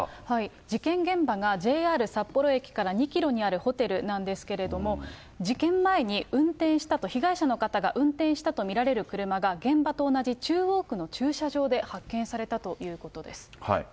事件現場がＪＲ札幌駅から２キロにあるホテルなんですけれども、事件前に運転したと、被害者の方が運転したと見られる車が現場と同じ中央区の駐車場で発見されたということです。